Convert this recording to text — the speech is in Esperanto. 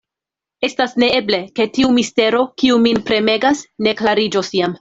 Estas neeble, ke tiu mistero, kiu min premegas, ne klariĝos iam.